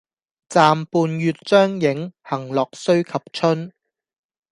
暫伴月將影，行樂須及春